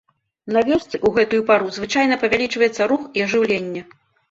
На вёсцы ў гэтую пару звычайна павялічваецца рух і ажыўленне.